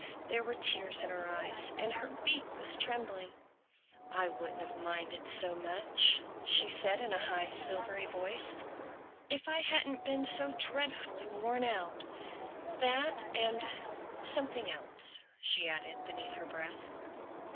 There were tears in her eyes and her beak was trembling. "I wouldn't have minded so much," she said in a high silvery voice, "if I hadn't been so dreadfully worn out—That and something else," she added beneath her breath.